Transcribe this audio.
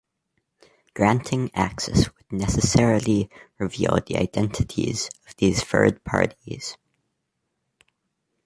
Granting access would necessarily reveal the identities of these third parties.